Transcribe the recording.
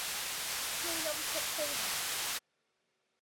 超音速飛行